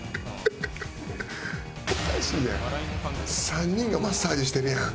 ３人がマッサージしてるやん。